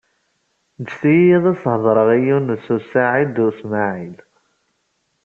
Ǧǧet-iyi ad as-heḍṛeɣ i Yunes u Saɛid u Smaɛil.